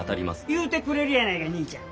言うてくれるやないかにいちゃん。